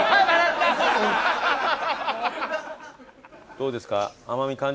どうですか？